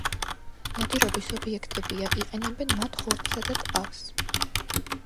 ნადირობის ობიექტებია, იყენებენ მათ ხორცსა და ტყავს.